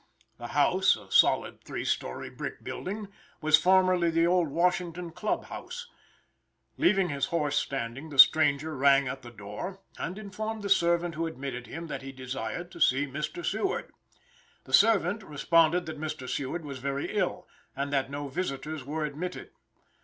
The house, a solid three story brick building, was formerly the old Washington Club house. Leaving his horse standing, the stranger rang at the door, and informed the servant who admitted him that he desired to see Mr. Seward. The servant responded that Mr. Seward was very ill, and that no visitors were admitted.